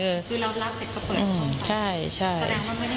คือเรารับเสร็จเขาเปิดของเขาใช่ใช่